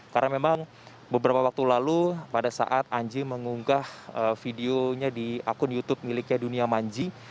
karena memang beberapa waktu lalu pada saat anji mengunggah videonya di akun youtube miliknya dunia manji